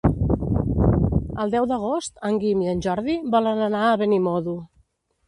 El deu d'agost en Guim i en Jordi volen anar a Benimodo.